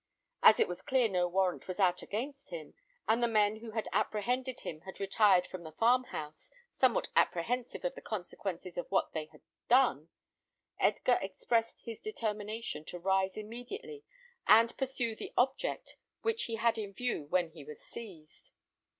As it was clear no warrant was out against him, and the men who had apprehended him had retired from the farm house, somewhat apprehensive of the consequences of what they had done, Edgar expressed his determination to rise immediately and pursue the object which he had in view when he was seized.